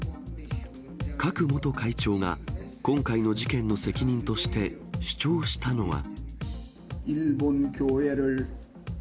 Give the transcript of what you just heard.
クァク元会長が今回の事件の責任として主張したのは。